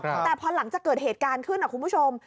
แต่พอหลังจากเกิดเหตุการณ์ขึ้นนะคุณผู้ชม